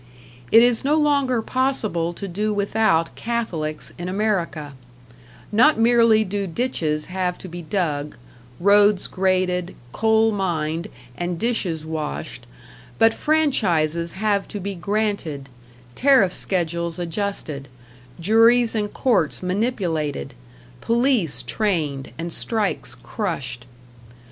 It is no longer possible to do without Catholics in America; not merely do ditches have to be dug, roads graded, coal mined, and dishes washed, but franchises have to be granted, tariff schedules adjusted, juries and courts manipulated, police trained and strikes crushed.